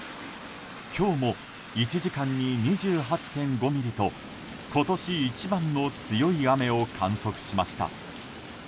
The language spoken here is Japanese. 今日も１時間に２８．５ミリと今年一番の強い雨を観測しました。